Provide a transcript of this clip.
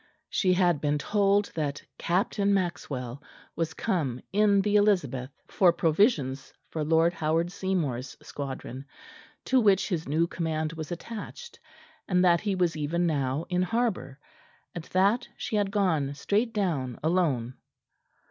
She had been told that Captain Maxwell was come in the Elizabeth, for provisions for Lord Howard Seymour's squadron, to which his new command was attached; and that he was even now in harbour. At that she had gone straight down alone.